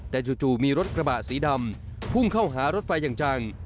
แต่จู่มีรถกระบะสีดำพุ่งเข้าหารถไฟอย่างจัง